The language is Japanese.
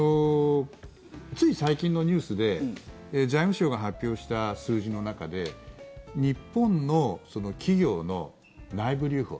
つい最近のニュースで財務省が発表した数字の中で日本の企業の内部留保